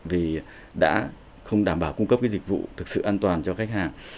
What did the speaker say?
vì đã không đảm bảo cung cấp cái dịch vụ thực sự an toàn cho khách hàng